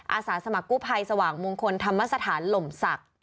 อาสาสมัครกู้ภัยสว่างมงคลธรรมสถานหล่มศักดิ์